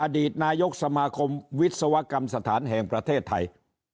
อดีตนายกสมาคมวิศวกรรมสถานแห่งประเทศไทย